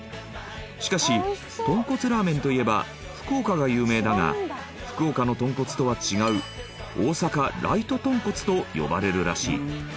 しかし豚骨ラーメンといえば福岡が有名だが福岡の豚骨とは違う大阪ライト豚骨と呼ばれるらしい。